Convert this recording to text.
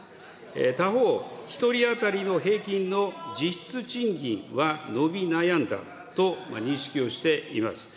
他方、１人当たりの平均の実質賃金は伸び悩んだと認識をしています。